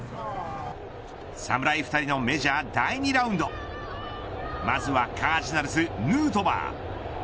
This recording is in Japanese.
侍２人のメジャー第２ラウンドまずはカージナルスヌートバー。